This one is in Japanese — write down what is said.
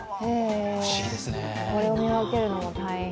これを見分けるのも大変。